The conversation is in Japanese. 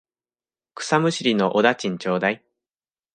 草むしりのお駄賃ちょうだい。